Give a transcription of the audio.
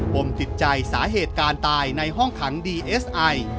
มติดใจสาเหตุการตายในห้องขังดีเอสไอ